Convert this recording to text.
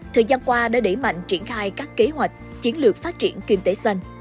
thời gian qua đã đẩy mạnh triển khai các kế hoạch chiến lược phát triển kinh tế xanh